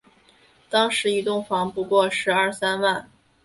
当时一栋房不过十二三万